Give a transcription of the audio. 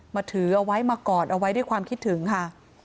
ถือเอาไว้มากอดเอาไว้ด้วยความคิดถึงค่ะ